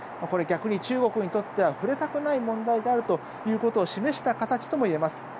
これ、逆に中国にとっては触れたくない問題であるということを示した形ともいえます。